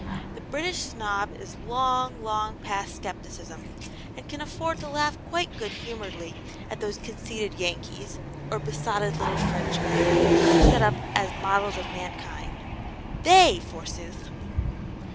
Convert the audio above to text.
The British Snob is long, long past scepticism, and can afford to laugh quite good humouredly at those conceited Yankees, or besotted little Frenchmen, who set up as models of mankind. THEY forsooth!